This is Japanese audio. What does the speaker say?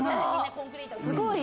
すごい！